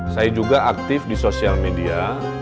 saya juga aktif di sosial media